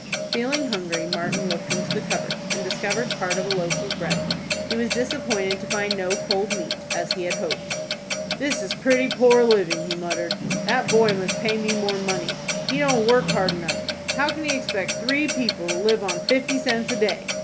Feeling hungry, Martin looked into the cupboard, and discovered part of a loaf of bread. He was disappointed to find no cold meat, as he had hoped. "This is pretty poor living," he muttered. "That boy must pay me more money. He don't work hard enough. How can he expect three people to live on fifty cents a day?"